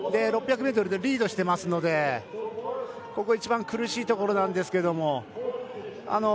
６００ｍでリードしていますのでここが一番苦しいところなんですけど。